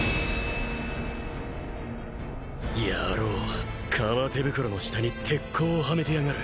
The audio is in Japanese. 野郎革手袋の下に鉄甲をはめてやがる。